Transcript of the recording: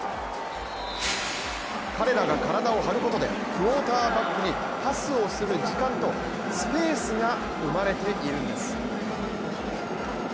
彼らが体を張ることでクオーターバックにパスをする時間とスペースが生まれているんです。